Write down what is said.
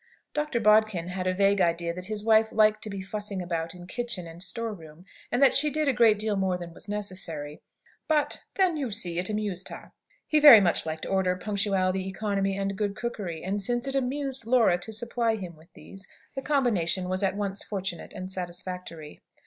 Dr. Bodkin had a vague idea that his wife liked to be fussing about in kitchen and storeroom, and that she did a great deal more than was necessary, but, "then, you see, it amused her." He very much liked order, punctuality, economy, and good cookery; and since it "amused" Laura to supply him with these, the combination was at once fortunate and satisfactory.